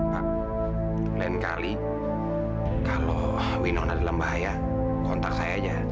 pak lain kali kalau winona dalam bahaya kontak saya aja